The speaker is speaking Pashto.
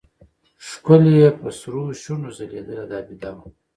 ښکل يې په سرو شونډو ځلېدله دا بېده وه.